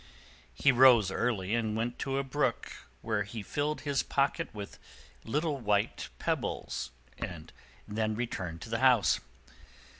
He rose early and went to a brook, where he filled his pocket with little white pebbles, and then returned to the house.